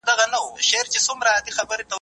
مرګ د جسد د بېلولو یوه وسیله ده.